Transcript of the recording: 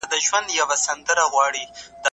ولي مدام هڅاند د پوه سړي په پرتله موخي ترلاسه کوي؟